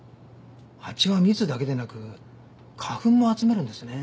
蜂は蜜だけでなく花粉も集めるんですね。